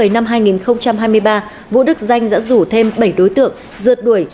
năm hai nghìn hai mươi ba vũ đức danh đã rủ thêm bảy đối tượng rượt đuổi